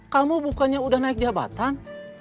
kamu bukannya udah naik jabatan